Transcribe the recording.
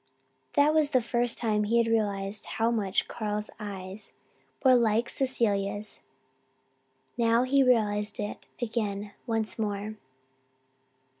That was the first time he had realised how much Carl's eyes were like Cecilia's. Now he realised it again once more.